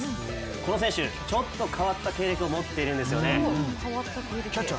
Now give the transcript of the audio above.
この選手、ちょっと変わった経歴を持っているんですよね。